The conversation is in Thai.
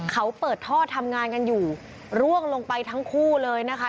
เขาเปิดท่อทำงานกันอยู่ร่วงลงไปทั้งคู่เลยนะคะ